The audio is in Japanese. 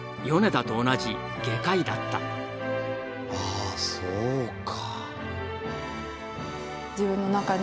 あそうか。